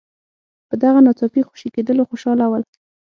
په دغه ناڅاپي خوشي کېدلو خوشاله ول.